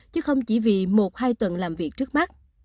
chứ không chỉ vì một hai tuần làm việc trước mắt